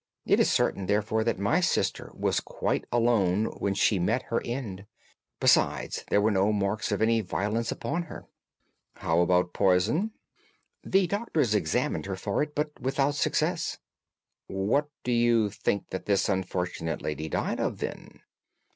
It is certain, therefore, that my sister was quite alone when she met her end. Besides, there were no marks of any violence upon her." "How about poison?" "The doctors examined her for it, but without success." "What do you think that this unfortunate lady died of, then?"